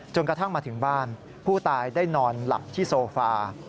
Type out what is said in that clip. กระทั่งมาถึงบ้านผู้ตายได้นอนหลับที่โซฟา